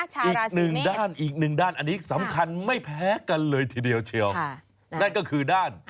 อีกหนึ่งด้านอีกหนึ่งด้านอันนี้สำคัญไม่แพ้กันเลยทีเดียวเชียวนั่นก็คือด้าน